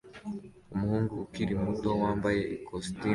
Umuhungu ukiri muto wambaye ikositimu